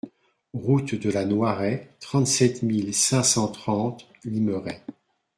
Route de la Noiraie, trente-sept mille cinq cent trente Limeray